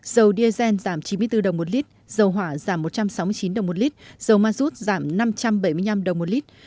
dầu diesel giảm chín mươi bốn đồng một lít dầu hỏa giảm một trăm sáu mươi chín đồng một lít dầu ma rút giảm năm trăm bảy mươi năm đồng một lít